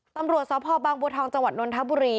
ตำรวจสพบางบัวทองจังหวัดนนทบุรี